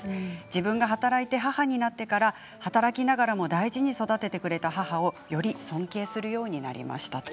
自分が働いて母になってから働きながらも大事に育ててくれた母をより尊敬するようになりました。